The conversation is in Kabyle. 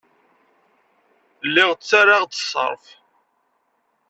Lliɣ ttarraɣ-d ṣṣerf.